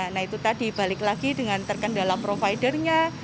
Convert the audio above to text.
nah itu tadi balik lagi dengan terkendala providernya